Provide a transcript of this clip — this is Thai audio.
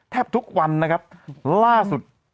แทบทุกวันนะครับ